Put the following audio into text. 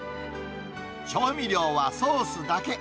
調味料はソースだけ。